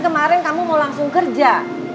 kemarin kamu mau langsung kerja